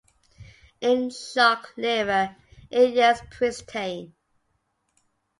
In shark liver it yields pristane.